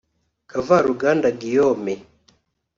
Kavuruganda Guillaume